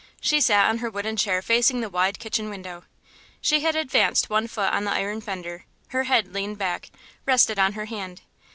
She sat on her wooden chair facing the wide kitchen window. She had advanced one foot on the iron fender; her head leaned back, rested on her hand.